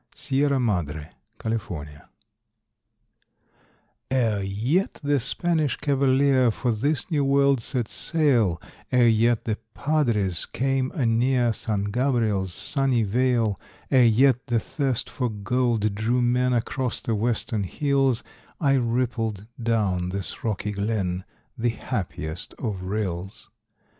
Sierra Madre, Cal. Ere yet the Spanish cavalier For this new world set sail, Ere yet the padres came anear San Gabriel's sunny vale, Ere yet the thirst for gold drew men Across the western hills, I rippled down this rocky glen, The happiest of rills.